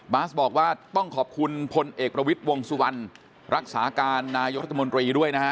บาสบอกว่าต้องขอบคุณผลเอกประวิจรวงสุวรรณรักษาการนายทรวตมริ